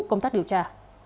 công tác điều tra